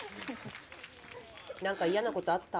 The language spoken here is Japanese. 何か嫌なことあった？